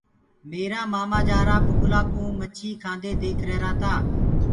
ميرآ مآمآ جآرآ بُگلآ ڪوُ مڇيٚ کآندي ديک رهرآ تآ۔